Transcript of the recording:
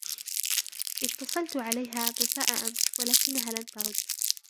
إتصلتُ عليها مساء أمس ولكنها لم تَرُد.